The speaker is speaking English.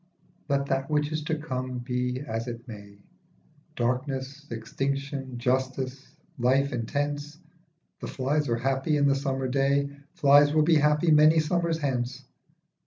LET that which is to come be as it may, Darkness, extinction, justice, life intense, The flies are happy in the summer day, Flies will be happy many summers hence.